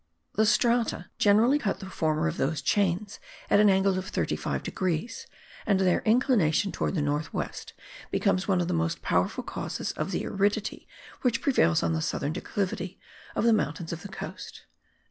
The strata generally cut the former of those chains at an angle of 35 degrees, and their inclination towards the north west becomes one of the most powerful causes of the aridity which prevails on the southern declivity* of the mountains of the coast.